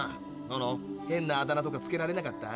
ノノ変なあだ名とか付けられなかった？